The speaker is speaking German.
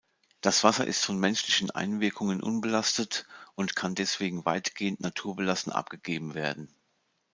Das Wasser ist von menschlichen Einwirkungen unbelastet und kann deswegen weitgehend naturbelassen abgegeben werden.